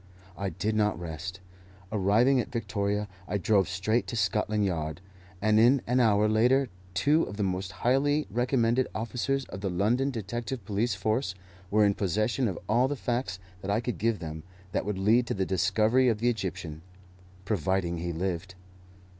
I did not rest. Arriving at Victoria, I drove straight to Scotland Yard, and in an hour later two of the most highly recommended officers of the London detective police force were in possession of all the facts that I could give them that would lead to the discovery of the Egyptian, providing he lived.